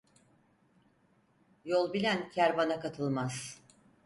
Yol bilen kervana katılmaz.